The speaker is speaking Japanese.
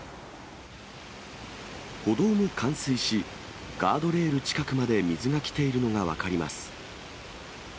歩道も冠水し、ガードレール近くまで水が来ているのが分かります。